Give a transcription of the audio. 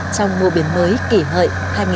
trong mùa biển mới kỷ hợi hai nghìn một mươi chín